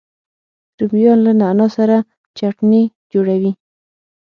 رومیان له نعنا سره چټني جوړوي